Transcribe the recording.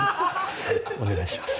お願いします